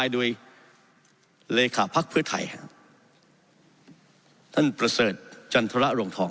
โดยเลขาภักดิ์เพื่อไทยฮะท่านประเสริฐจันทรรวงทอง